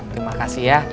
terima kasih ya